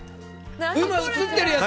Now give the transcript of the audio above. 今映ってるやつ！